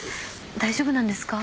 大丈夫なんですか？